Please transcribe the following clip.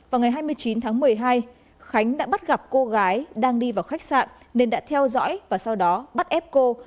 vào ngày hai mươi chín tháng một mươi hai khánh đã bắt gặp cô gái đang đi vào khách sạn nên đã theo dõi và sau đó bắt ép cô